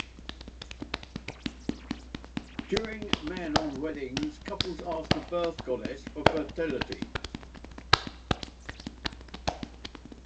During Maonan weddings, couples ask the birth goddess for fertility.